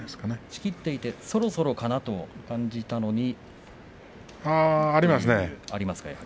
仕切っていてそろそろかなと感じたのに。